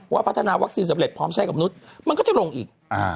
พัฒนาวัคซีนสำเร็จพร้อมใช้กับมนุษย์มันก็จะลงอีก